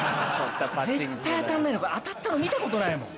絶対当たんねえの当たったの見たことないもん。